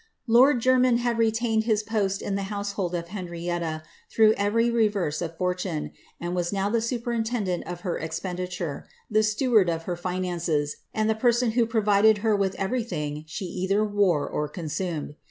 '' Lord Jennyn had retained his post in the household of Henrietta through every reverse of fortune, and was now the superintendent of her eipenditnre, the steward of her finances, and the person who provided ber with everything she either wore or consumed.